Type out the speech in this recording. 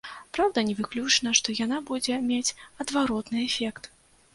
Праўда, не выключана, што яна будзе мець адваротны эфект.